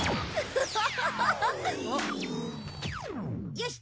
よし！